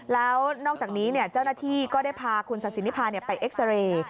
แล้วนอกจากนี้เจ้าหน้าที่ก็ได้พาคุณศาสินิพาไปเอ็กซาเรย์